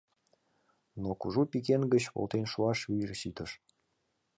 Но кужу пӱкен гыч волтен шуаш вийже ситыш.